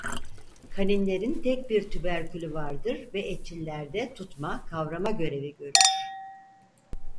Kaninlerin tek bir tüberkülü vardır ve etçillerde tutma-kavrama görevi görür.